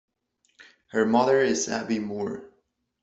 Her mother is Abby Moore.